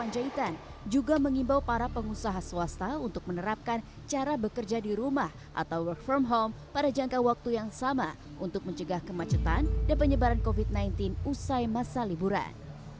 panjaitan juga mengimbau para pengusaha swasta untuk menerapkan cara bekerja di rumah atau work from home pada jangka waktu yang sama untuk mencegah kemacetan dan penyebaran covid sembilan belas usai masa liburan